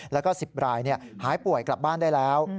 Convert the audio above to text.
แล้วก็๑๐รายหายป่วยกลับบ้านได้แล้ว